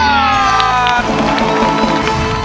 ร้องได้ให้ร้าง